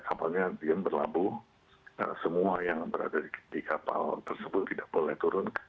kapalnya yang berlabuh semua yang berada di kapal tersebut tidak boleh turun